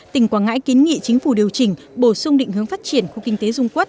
tỉnh quảng ngãi kiến nghị chính phủ điều chỉnh bổ sung định hướng phát triển khu kinh tế dung quốc